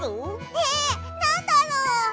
えなんだろう？